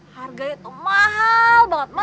harganya tuh mahal banget mas